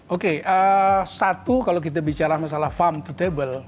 oke satu kalau kita bicara masalah farm to table